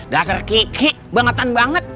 dasar kiki bangetan banget